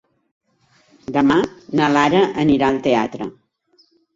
Demà na Lara anirà al teatre.